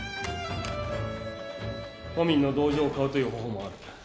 都民の同情を買うという方法もある